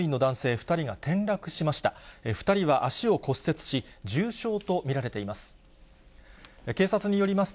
２人は足を骨折し、重傷と見られています。